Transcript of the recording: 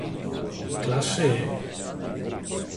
Classe E